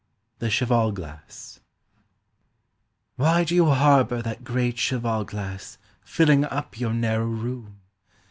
THE CHEVAL GLASS WHY do you harbour that great cheval glass Filling up your narrow room?